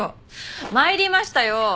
参りましたよ！